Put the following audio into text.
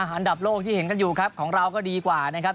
อันดับโลกที่เห็นกันอยู่ครับของเราก็ดีกว่านะครับ